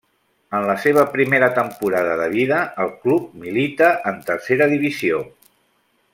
En la seva primera temporada de vida el club milita en Tercera Divisió.